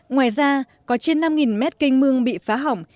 ngoài ra có trên năm mét canh mương bị phá hỏng